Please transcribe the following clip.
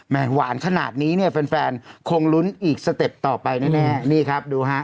หวานขนาดนี้เนี่ยแฟนแฟนคงลุ้นอีกสเต็ปต่อไปแน่นี่ครับดูฮะ